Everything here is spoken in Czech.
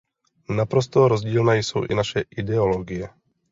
Naprosto rozdílné jsou i naše ideologie.